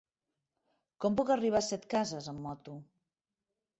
Com puc arribar a Setcases amb moto?